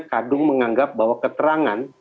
kadung menganggap bahwa keterangan